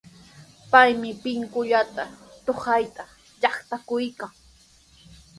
Paymi pinkullata tukayta yatrakuykan.